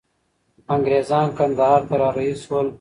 انګریزان کندهار ته را رهي سول.